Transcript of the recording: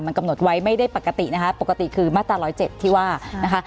มันกำหนดไว้ไม่ได้ปกตินะคะปกติคือมาตรา๑๐๗ที่ว่านะคะ